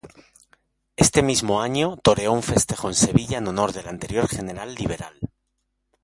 Este mismo año toreó un festejo en Sevilla en honor del anterior general liberal.